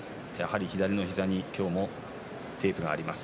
左膝にかなりテープがあります。